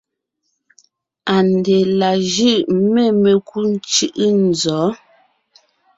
ANDÈ la jʉ̂ʼ mê mekú ńcʉ̂ʼʉ nzɔ̌?